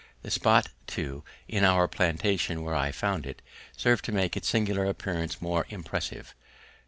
The spot, too, in our plantation, where I found it, served to make its singular appearance more impressive.